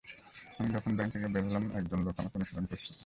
আমি যখন ব্যাংক থেকে বের হলাম, একজন লোক আমাকে অনুসরণ করছিল।